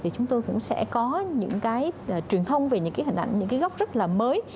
chúng tôi cũng sẽ có những truyền thông về những hình ảnh những góc rất là mới